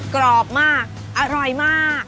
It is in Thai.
กรอบมากอร่อยมาก